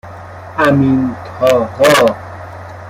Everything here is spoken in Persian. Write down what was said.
امینطاها